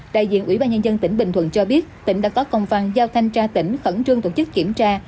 đại diện ủy ban nhân dân tỉnh bình thuận cho biết tỉnh đã có công văn giao thanh tra tỉnh khẩn trương tổ chức kiểm tra